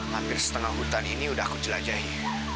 hampir setengah hutan ini sudah kucelai